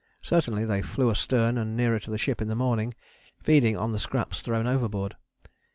Certainly they flew astern and nearer to the ship in the morning, feeding on the scraps thrown overboard.